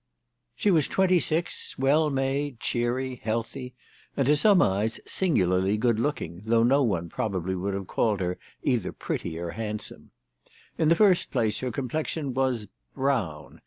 She was twenty six, well made, cheery, healthy, and to some eyes singularly good looking, though no one probably would have called her either pretty or hand some. In the first place her complexion was brown.